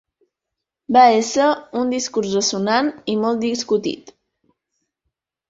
Va ésser un discurs ressonant i molt discutit.